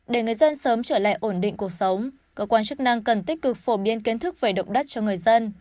để người dân sớm trở lại ổn định cuộc sống cơ quan chức năng cần tích cực phổ biến kiến thức về động đất cho người dân